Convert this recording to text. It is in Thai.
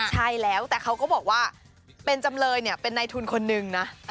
ใช่แล้วแต่เขาก็บอกว่าเป็นจำเลยเนี่ยเป็นในทุนคนนึงนะ